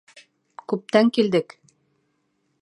— Күптән килдек!..